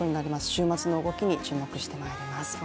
週末の動きに注目してまいります。